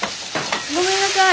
ごめんなさい！